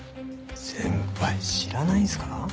先輩知らないんですか？